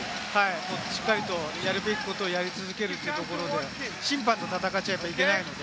しっかりとやるべきことをやり続けるというところで審判と戦っちゃいけないので。